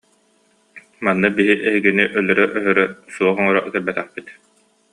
Манна биһиги эһигини өлөрө-өһөрө, суох оҥоро кэлбэтэхпит